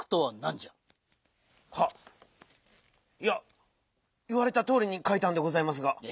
いやいわれたとおりにかいたんでございますが。